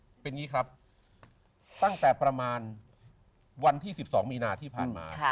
เป็นอย่างนี้ครับตั้งแต่ประมาณวันที่๑๒มีนาที่ผ่านมา